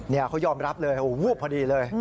นี่เขายอมรับเลยวูบพอดีเลย